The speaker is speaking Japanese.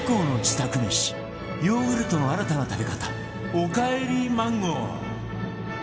ＩＫＫＯ の自宅めしヨーグルトの新たな食べ方おかえりマンゴー